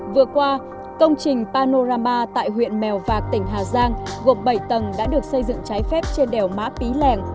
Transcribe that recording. vừa qua công trình panorama tại huyện mèo vạc tỉnh hà giang gồm bảy tầng đã được xây dựng trái phép trên đèo mã pí lèng